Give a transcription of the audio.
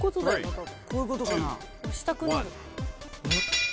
こういうことかな？